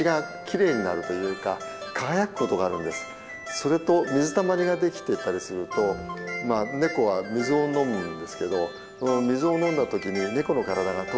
それと水たまりが出来ていたりするとネコは水を飲むんですけど水を飲んだ時にネコの体が当然水面に映りますよね。